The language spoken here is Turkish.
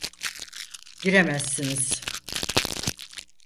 Giremezsiniz.